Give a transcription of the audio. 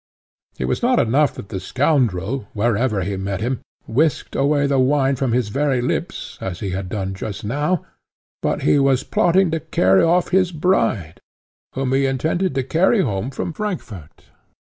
It was not enough that the scoundrel, wherever he met him, whisked away the wine from his very lips, as he had done just now, but he was plotting to carry off his bride, whom he intended to carry home from Frankfort.